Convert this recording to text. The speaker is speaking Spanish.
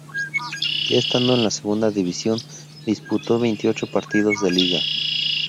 Ya estando en la segunda división, disputó veintiocho partidos de liga.